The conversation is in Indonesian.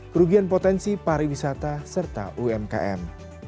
kerugian potensi pariwisata serta umkm